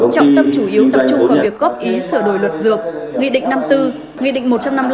trọng tâm chủ yếu tập trung vào việc góp ý sửa đổi luật dược nghị định năm mươi bốn nghị định một trăm năm mươi năm